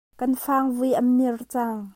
Kan fangvoi an mir cang.